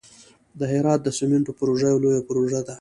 د هرات د سمنټو پروژه یوه لویه پروژه ده.